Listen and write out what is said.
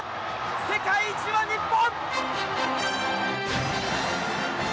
世界一は日本！